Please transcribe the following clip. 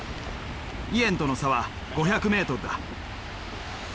イエンとの差は５００ｍだ。